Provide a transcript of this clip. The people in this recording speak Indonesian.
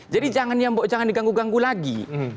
jadi jangan diganggu ganggu lagi